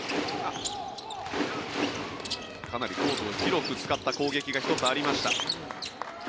かなりコートを広く使った攻撃が１つ、ありました。